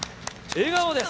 笑顔です。